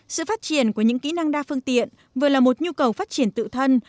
sự phát triển của những kỹ năng đa phương tiện vừa là một nhu cầu phát triển tự thân